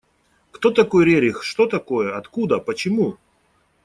Кто такой Рерих, что такое, откуда, почему?